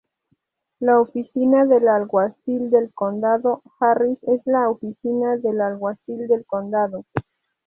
La Oficina del Alguacil del Condado Harris es la oficina del alguacil del condado.